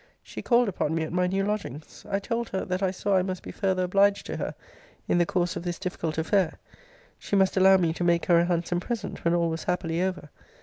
She called upon me at my new lodgings. I told her, that I saw I must be further obliged to her in the course of this difficult affair. She must allow me to make her a handsome present when all was happily over.